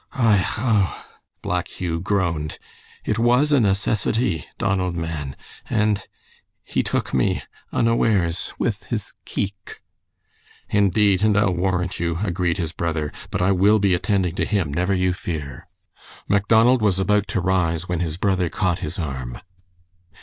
"Oich oh," Black Hugh groaned. "It was a necessity Donald man and he took me unawares with his keeck." "Indeed, and I'll warrant you!" agreed his brother, "but I will be attending to him, never you fear." Macdonald was about to rise, when his brother caught his arm.